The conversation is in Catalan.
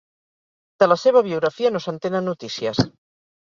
De la seva biografia no se'n tenen notícies.